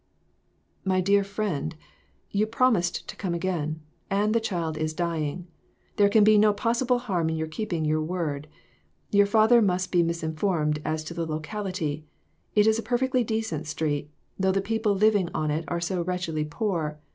"My dear friend, you promised to come again, and the child is dying ! There can be no possi ble harm in your keeping your word. Your father must be misinformed as to the locality. It is a perfectly decent street, though the people living on it are so wretchedly poor.